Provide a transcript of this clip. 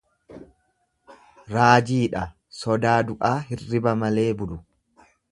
Raajiidha, sodaa du'aa hirriiba malee bulu.